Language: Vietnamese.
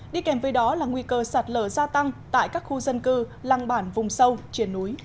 đi kèm với đó là nguy cơ sạt lở gia tăng tại các khu dân cư làng bản vùng sâu triển núi